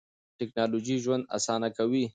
ټکنالوژي ژوند اسانه کوي.